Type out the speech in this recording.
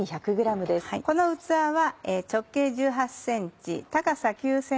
この器は。